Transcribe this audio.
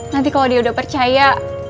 nanti kalau dia udah percaya